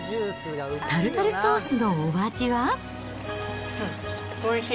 タルタルソースのお味は？